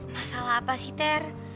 masalah apa sih ter